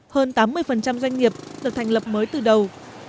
hơn tám mươi doanh nghiệp được thành lập mới từ đầu